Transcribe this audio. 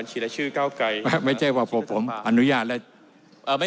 นิดเดียวครับ